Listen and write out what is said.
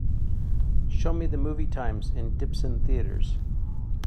show me the movie times in Dipson Theatres